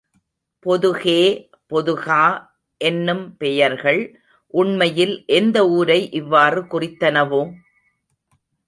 பொதுகே, பொதுகா என்னும் பெயர்கள் உண்மையில் எந்த ஊரை இவ்வாறு குறித்தனவோ?